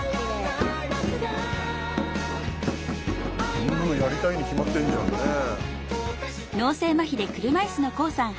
こんなのやりたいに決まってんじゃんねえ。